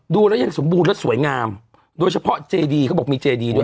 ดูแล้วยังสมบูรณ์และสวยงามโดยเฉพาะเจดีเขาบอกมีเจดีด้วย